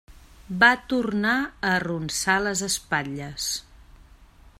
Va tornar a arronsar les espatlles.